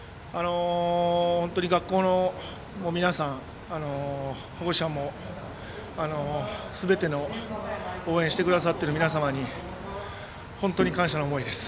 本当に学校の皆さん保護者も、すべての応援してくださっている皆様に本当に感謝の思いです。